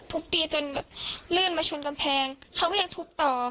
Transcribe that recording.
ตีจนแบบลื่นมาชนกำแพงเขาก็ยังทุบต่อ